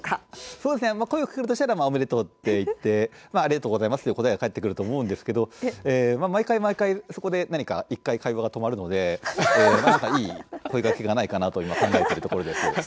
そうですね、声をかけるとしたら、おめでとうって言って、ありがとうございますという答えが返ってくると思うんですけど、毎回毎回、そこで何か一回会話が止まるので、何かいい、声かけがないかなと今、考えているところです。